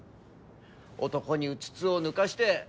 男にうつつを抜かして。